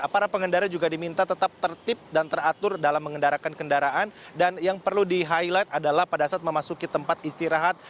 para pengendara juga diminta tetap tertib dan teratur dalam mengendarakan kendaraan dan yang perlu di highlight adalah pada saat memasuki tempat istirahat